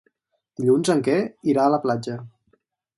Dilluns en Quer irà a la platja.